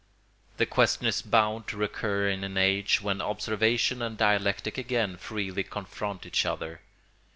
The question is bound to recur in an age when observation and dialectic again freely confront each other.